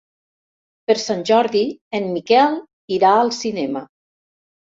Per Sant Jordi en Miquel irà al cinema.